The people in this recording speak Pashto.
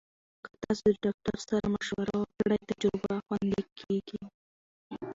که تاسو د ډاکټر سره مشوره وکړئ، تجربه خوندي کېږي.